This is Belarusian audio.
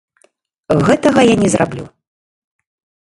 Гэтага я не зраблю.